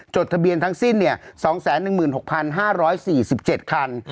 ทะเบียนทั้งสิ้น๒๑๖๕๔๗คัน